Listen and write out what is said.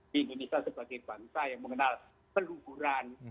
di indonesia sebagai bangsa yang mengenal peluburan